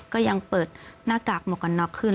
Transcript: ก็ยังเปิดหน้ากากหมวกกันน็อกขึ้น